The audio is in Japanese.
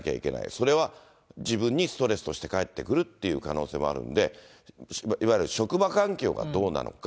それは自分にストレスとして帰ってくるっていう可能性もあるんで、いわゆる職場環境がどうなのか。